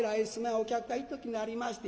お客が一時にありまして』。